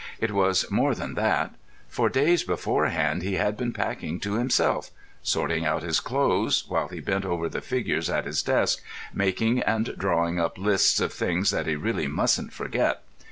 It was more than that; for days beforehand he had been packing to himself; sorting out his clothes, while he bent over the figures at his desk, making and drawing up lists of things that he really mustn't forget.